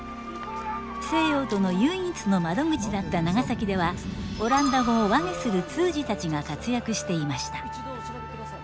西洋との唯一の窓口だった長崎ではオランダ語を和解する通詞たちが活躍していました。